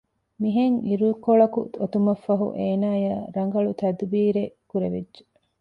މިހެން އިރުކޮޅަކު އޮތުމަށް ފަހު އޭނާޔަށް ރަނގަޅު ތަދުބީރެއް ކުރެވިއްޖެ